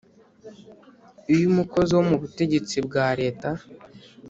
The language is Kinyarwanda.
iyo umukozi wo mu butegetsi bwa leta